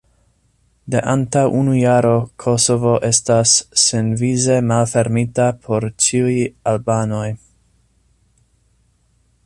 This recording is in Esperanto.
De antaŭ unu jaro, Kosovo estas senvize malfermita por ĉiuj albanoj.